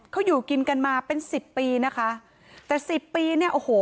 เขาอยู่กินกันมาเป็นสิบปีนะคะแต่สิบปีเนี่ยโอ้โห